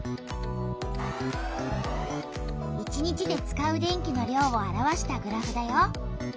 １日で使う電気の量を表したグラフだよ。